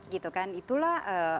gitu kan itulah